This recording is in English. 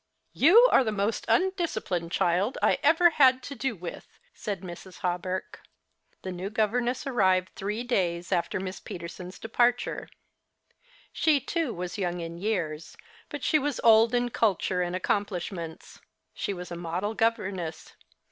" You are the most undisci})lined child I ever had to do with," said Mrs. Hawberk. The new governess arrived three days after 3Iiss Peterson's departure. She, too, was young in years ; but she was old in culture and accomplishments. She was a model governess.